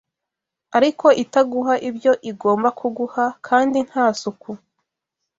ariko itaguha ibyo igomba kuguha kandi nta suku